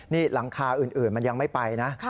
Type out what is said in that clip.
นี่หลังคาอื่นมันยังไม่ไปนะ